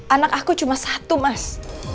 anak aku cuma satu mas